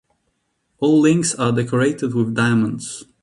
All links are decorated with diamonds.